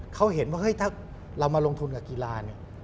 เขาเห็นว่าถ้าเรามาลงทุนกับกีฬา